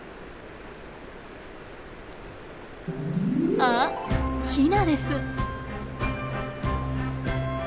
あっヒナです。